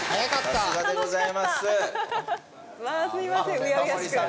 わあすいません